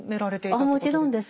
あもちろんです。